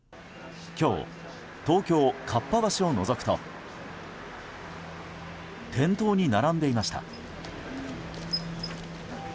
今日、東京・かっぱ橋をのぞくと店頭に並んでいました。